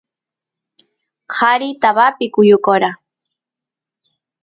qari tabapi kuyukora